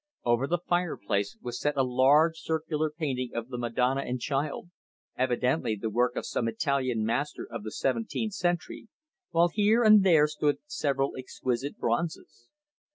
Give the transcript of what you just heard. Over the fireplace was set a large circular painting of the Madonna and Child evidently the work of some Italian master of the seventeenth century while here and there stood several exquisite bronzes.